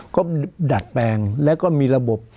ก็ดัดแปลงแล้วก็มีระบบ